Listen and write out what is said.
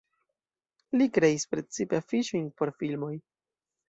Li kreis precipe afiŝojn por filmoj.